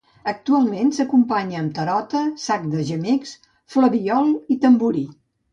Actualment, s'acompanya amb tarota, sac de gemecs, flabiol i tamborí.